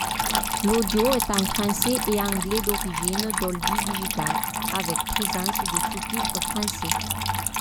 L'audio est en français et anglais d'origine dolby digital avec présence de sous-titres français.